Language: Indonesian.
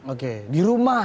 oke di rumah